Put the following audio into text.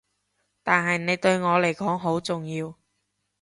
但係你對我嚟講好重要